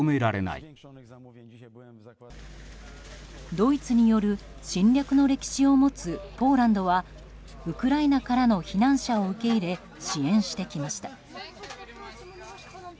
ドイツによる侵略の歴史を持つポーランドはウクライナからの避難者を受け入れ、支援してきました。